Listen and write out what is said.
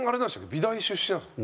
美大出身なんですよね？